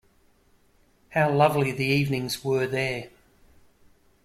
How lovely the evenings were there!